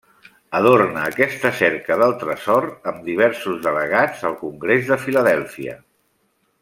Adorna aquesta cerca del tresor amb diversos delegats al Congrés de Filadèlfia.